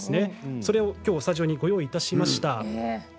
それをきょうスタジオにご用意しました。